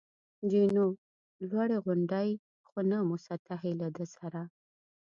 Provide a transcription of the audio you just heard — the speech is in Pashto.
جینو: لوړې غونډۍ، خو نه مسطحې، له ده سره.